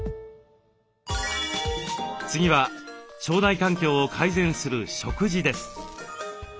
次は腸内環境を改善する食事です。